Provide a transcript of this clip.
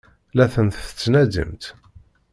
La ten-tettnadimt?